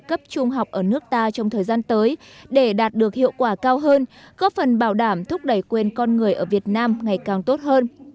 cấp trung học ở nước ta trong thời gian tới để đạt được hiệu quả cao hơn góp phần bảo đảm thúc đẩy quyền con người ở việt nam ngày càng tốt hơn